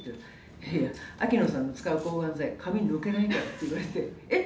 いやいや、秋野さん使う抗がん剤、髪抜けないからって言われて、えっ？